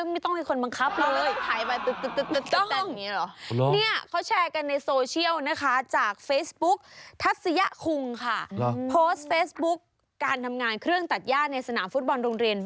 ไม่ต้องมีคนบังคับเลย